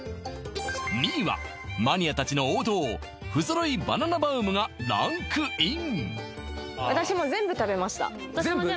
２位はマニアたちの王道不揃いバナナバウムがランクイン